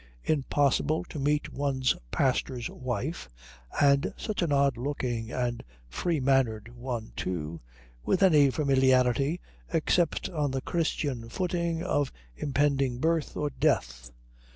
Impossible to meet one's pastor's wife and such an odd looking and free mannered one, too with any familiarity except on the Christian footing of impending birth or death.